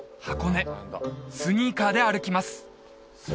箱根スニーカーで歩きます